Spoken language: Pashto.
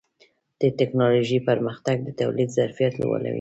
د ټکنالوجۍ پرمختګ د تولید ظرفیت لوړوي.